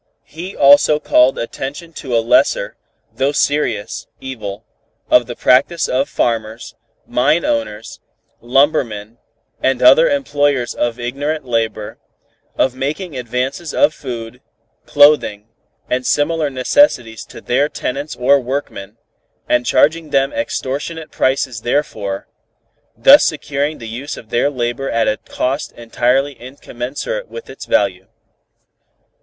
He also called attention to a lesser, though serious, evil, of the practice of farmers, mine owners, lumbermen and other employers of ignorant labor, of making advances of food, clothing and similar necessities to their tenants or workmen, and charging them extortionate prices therefor, thus securing the use of their labor at a cost entirely incommensurate with its value.